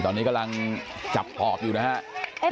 ตอนนี้กำลังจับปอบอยู่นะฮะ